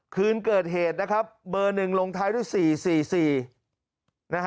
คืนเกิดเหตุนะครับเบอร์หนึ่งลงท้ายด้วย๔๔๔นะฮะ